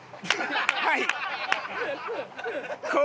はい。